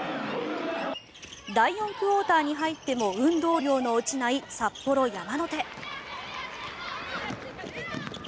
第４クオーターに入っても運動量の落ちない札幌山の手。